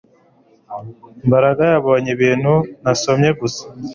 Mbaraga yabonye ibintu nasomye gusa